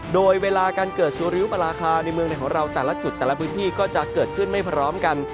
โดยเวลาการเกิดสุริยุปราคาในเมืองในของเราแต่ละจุดแต่ละพื้นที่ก็จะเกิดขึ้นไม่พร้อมกัน